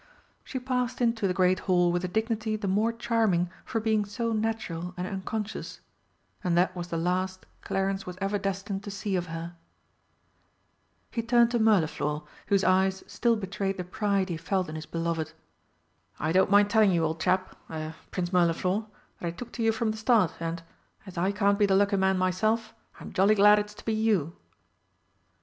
She passed into the great Hall with a dignity the more charming for being so natural and unconscious and that was the last Clarence was ever destined to see of her. He turned to Mirliflor, whose eyes still betrayed the pride he felt in his beloved. "I don't mind telling you, old chap er Prince Mirliflor, that I took to you from the start, and as I can't be the lucky man myself, I'm jolly glad it's to be you!"